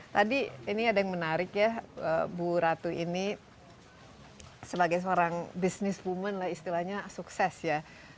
tadi ini ada yang menarik ya bu ratu ini sebagai seorang business women lah istilahnya sukses ya